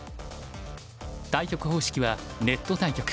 対局方式はネット対局。